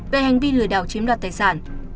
về hành vi lừa đảo chiếm đoạt tài sản